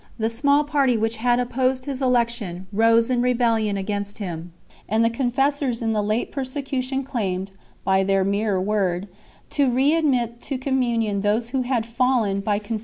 The small party which had opposed his election rose in rebellion against him 9 , and the confessors in the late persecution claimed, by their mere word, to re admit to communion those who had " fallen" by conformity to 1 De Virgg.